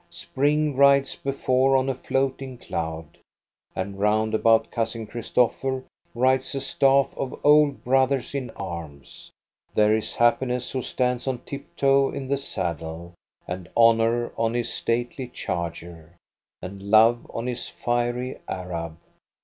Spring rides before on a float ing cloud. And round about Cousin Christopher rides a stafi" of old brothers in arms : there is Happi ness, who stands on tiptoe in the saddle, and Honor on his stately charger, and Love on his fiery Arab.